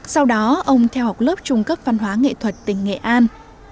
sau đó ông theo học lớp trung cấp văn hóa nghệ thuật tỉnh nghệ an